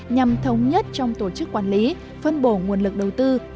nhằm thống nhất trong tổ chức quản lý phân bổ nguồn lực đầu tư